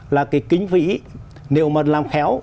là cái kinh phí nếu mà làm khéo